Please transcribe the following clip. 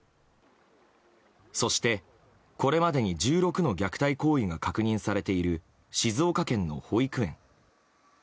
そしてこれまでに１６の虐待行為が確認されている静岡県の保育園。